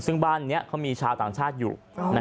ซึ่งบ้านนี้เขามีชาวต่างชาติอยู่